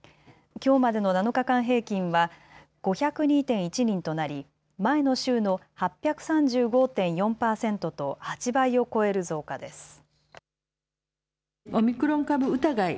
きょうまでの７日間平均は５０２．１人となり前の週の８３５．４％と８倍を超える増加です。